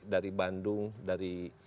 dari bandung dari